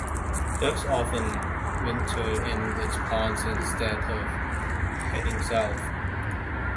Ducks often winter in its ponds instead of heading South.